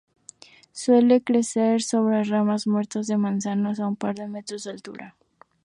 Suele crecer sobre ramas muertas de manzanos, a un par de metros de altura.